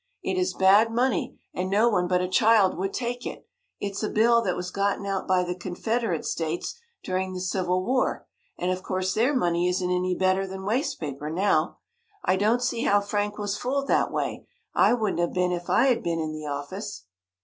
It is bad money, and no one but a child would take it. It's a bill that was gotten out by the Confederate states during the Civil War, and of course their money isn't any better than waste paper now. I don't see how Frank was fooled that way. I wouldn't have been if I had been in the office."